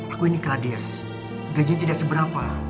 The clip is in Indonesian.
aku ini kadis gajinya tidak seberapa